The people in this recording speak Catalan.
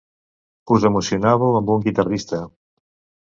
Us emocionàveu amb un guitarrista.